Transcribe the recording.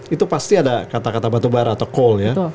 itu pasti ada kata kata batubara atau coal ya